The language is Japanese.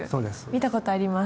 見たことあります！